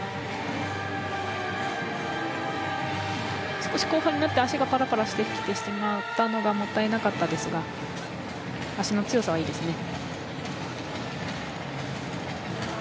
少し後半になって脚がパラパラしてきてしまったのがもったいなかったですが脚の強さはいいですね。